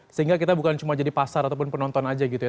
sehingga kita bukan cuma jadi pasar ataupun penonton aja gitu ya